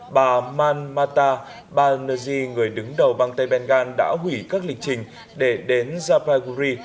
bà malmata balnazi người đứng đầu bang tây bengal đã hủy các lịch trình để đến zampagri